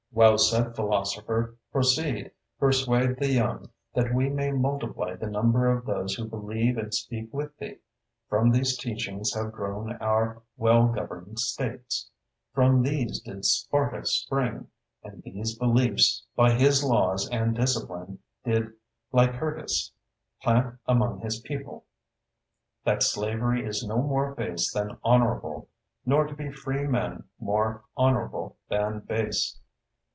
Well said, philosopher! proceed, persuade the young, that we may multiply the number of those who believe and speak with thee. From these teachings have grown our well governed States, from these did Sparta spring, and these beliefs, by his laws and discipline, did Lycurgus plant among his people:—That slavery is no more base than honorable, nor to be free men more honorable than base.